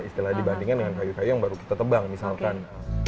istilahnya dibandingkan dengan kayu kayu yang baru kita tebang misalkan